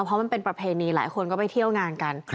เพราะมันเป็นประเพณีหลายคนก็ไปเที่ยวงานกัน